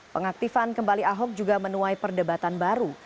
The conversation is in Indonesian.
pengaktifan kembali ahok juga menuai perdebatan baru